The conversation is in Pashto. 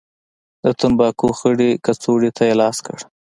د تنباکو خړې کڅوړې ته يې لاس کړ.